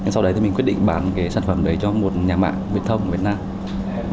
sau đấy thì mình quyết định bán cái sản phẩm đấy cho một nhà mạng việt thông việt nam